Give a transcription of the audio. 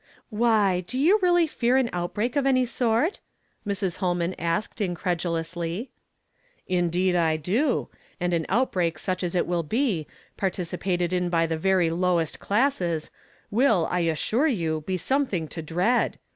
" Why, do you really fear an outbreak of a«y sort ?" Mrs. Holman asked incredulously. " Indeed I do ; and an outbreak such as it amH 'be, participated in by the very lowest classes, \\ill, I assure you, be something to dread.